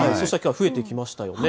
増えてきましたよね。